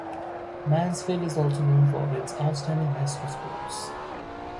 Mansfield is also known for its outstanding high school sports.